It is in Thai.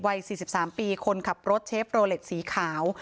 วัย๔๓ปีคนขับรถเชฟโรเล็ตสีขาว